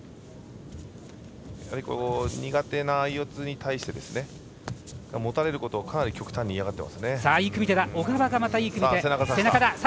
苦手な相四つに対して持たれることを極端に嫌がっています。